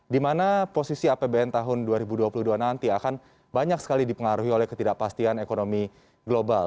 dimana posisi apbn tahun dua ribu dua puluh dua nanti akan banyak sekali dipengaruhi oleh ketidakpastian ekonomi global